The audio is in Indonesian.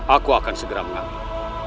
aku akan segera mengambil